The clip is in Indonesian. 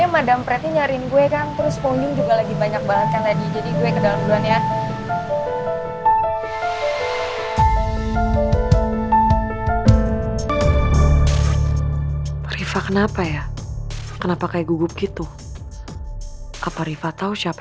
meng anti vera umpampara oposisi